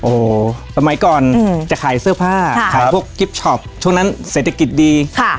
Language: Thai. โอ้โหสมัยก่อนจะขายเสื้อผ้าขายพวกกิฟต์ช็อปช่วงนั้นเศรษฐกิจดีค่ะ